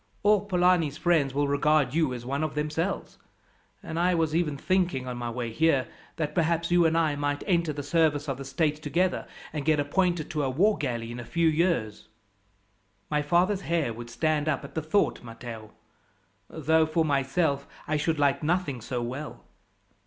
All Polani's friends will regard you as one of themselves; and I was even thinking, on my way here, that perhaps you and I might enter the service of the state together, and get appointed to a war galley in a few years." "My father's hair would stand up at the thought, Matteo; though, for myself, I should like nothing so well.